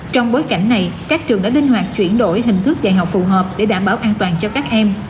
trong bối cảnh này các trường đã linh hoạt chuyển đổi hình thức dạy học phù hợp để đảm bảo an toàn cho các em